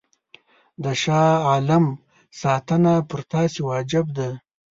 د شاه عالم ساتنه پر تاسي واجب ده.